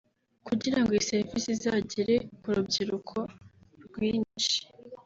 Kugira ngo iyi serivisi izagere ku rubyiruko rwinshi